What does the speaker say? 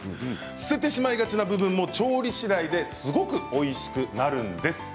捨ててしまいがちな部分も調理次第ですごくおいしくなるんです。